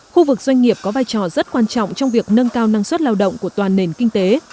khu vực doanh nghiệp có vai trò rất quan trọng trong việc nâng cao năng suất lao động của toàn nền kinh tế